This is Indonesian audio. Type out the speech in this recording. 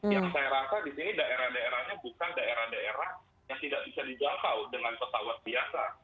yang saya rasa di sini daerah daerahnya bukan daerah daerah yang tidak bisa dijangkau dengan pesawat biasa